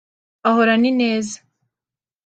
ahorana ineza